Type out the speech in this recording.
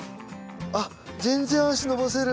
あっ全然足伸ばせる。